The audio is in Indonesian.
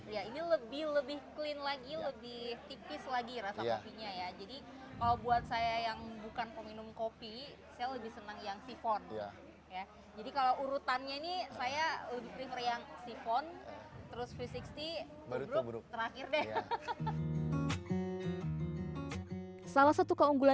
iya ini lebih clean lagi lebih tipis lagi rasa kopinya ya